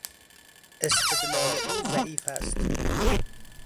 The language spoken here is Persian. استدلال او ضعیف است.